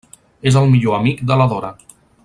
És el millor amic de la Dora.